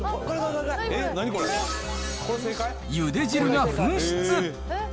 ゆで汁が噴出。